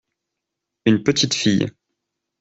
Une petite fille.